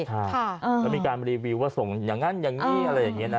แล้วมีการรีวิวว่าส่งอย่างนั้นอย่างนี้อะไรอย่างนี้นะ